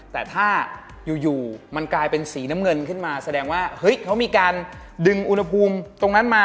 แต่ถ้าอยู่มันกลายเป็นสีน้ำเงินขึ้นมาแสดงว่าเฮ้ยเขามีการดึงอุณหภูมิตรงนั้นมา